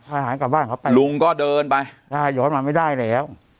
หายกลับบ้านเข้าไปลุงก็เดินไปอ่าย้อนมาไม่ได้แล้ว